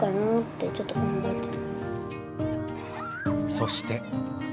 そして。